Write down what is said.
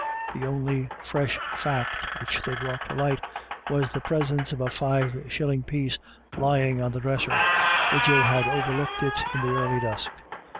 The only fresh fact which they brought to light was the presence of a five shilling piece lying on the dresser, where Joe had overlooked it in the early dusk.